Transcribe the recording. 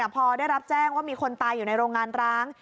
พอได้รับแจ้งว่ามีคนตายอยู่ในโรงงานร้าง